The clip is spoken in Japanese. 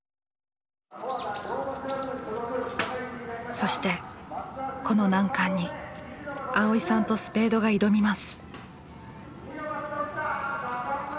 そしてこの難関に蒼依さんとスペードが挑みます。